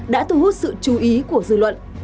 đã thu hút sự chú ý của dư luận